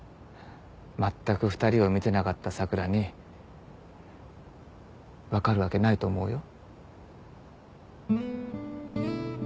まったく２人を見てなかった佐倉に分かるわけないと思うよ。